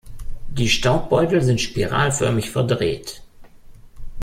Die Staubbeutel sind spiralförmig verdreht.